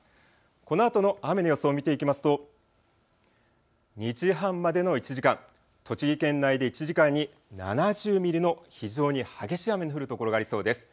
このあとの雨の予想を見ていきますと２時半までの１時間、栃木県内で１時間に７０ミリの非常に激しい雨の降る所がありそうです。